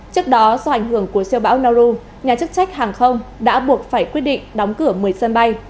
trước đó do ảnh hưởng của siêu bão noru nhà chức trách hàng không đã buộc phải quyết định đóng cửa